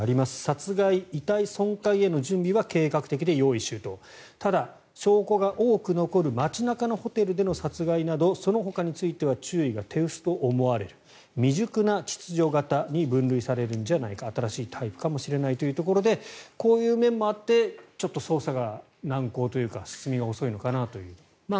殺害・遺体損壊への準備は計画的で用意周到ただ、証拠が多く残る街中でのホテルでの殺害などそのほかについては注意が手薄と思われる未熟な秩序型に分類されるんじゃないか新しいタイプかもしれないというところでこういう面もあってちょっと捜査が難航というか進みが遅いのかなという。